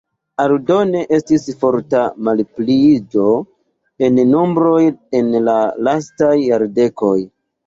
Aldone estis forta malpliiĝo en nombroj en la lastaj jardekoj.